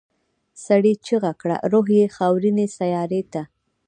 سړي چيغه کړه روح یې خاورینې سیارې ته.